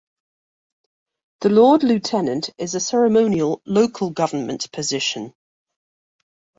The Lord Lieutenant is a ceremonial local government position.